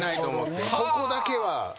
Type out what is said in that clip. そこだけは。